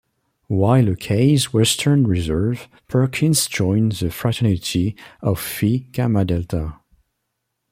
While at Case Western Reserve, Perkins joined the Fraternity of Phi Gamma Delta.